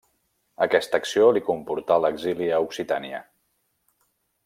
Aquesta acció li comportà l'exili a Occitània.